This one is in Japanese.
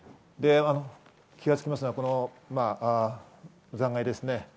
気が付きますのは、残骸ですね。